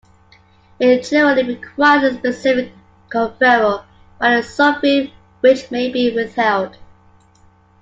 It generally requires a specific conferral by the sovereign, which may be withheld.